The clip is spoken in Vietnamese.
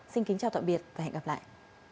xin kính chào tạm biệt và hẹn gặp lại